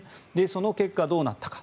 その結果、どうなったか。